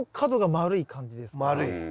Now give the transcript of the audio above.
丸い。